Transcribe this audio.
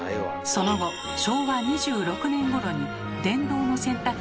その後昭和２６年ごろに電動の洗濯機が登場。